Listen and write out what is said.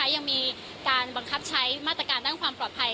ยังมีการบังคับใช้มาตรการด้านความปลอดภัย